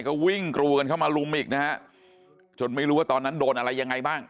ก็วิ่งกรูกันเข้ามาลุมอีกนะฮะจนไม่รู้ว่าตอนนั้นโดนอะไรยังไงบ้าง